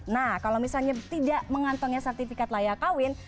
nah kalau misalnya tidak mengantongi sertifikat layak kawin